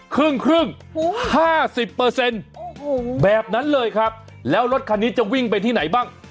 ครึ่งครึ่งห้าสิบเปอร์เซ็นต์โอ้โหแบบนั้นเลยครับแล้วรถคันนี้จะวิ่งไปที่ไหนบ้าง